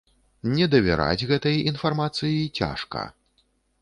Не давераць гэтай інфармацыі цяжка.